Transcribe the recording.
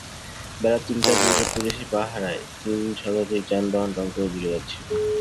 বেলা তিনটার দিকে পুলিশি পাহারায় তিন শতাধিক যানবাহন রংপুরের দিকে যাচ্ছিল।